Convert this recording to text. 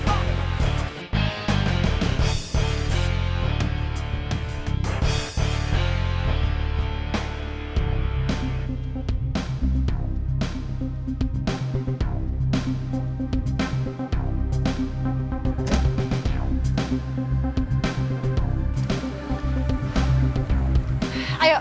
pergi ke danau